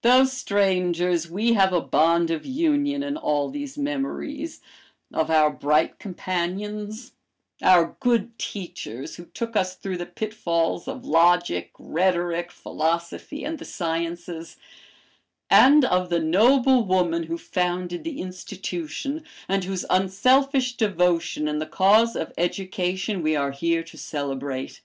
"Though strangers, we have a bond of union in all these memories, of our bright companions, our good teachers, who took us through the pitfalls of logic, rhetoric, philosophy, and the sciences, and of the noble woman who founded the institution, and whose unselfish devotion in the cause of education we are here to celebrate.